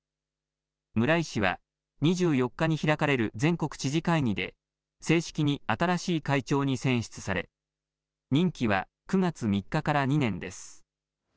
村井氏は、２４日に開かれる全国知事会議で正式に新しい会長に選出され、任期は９月３日から２年です。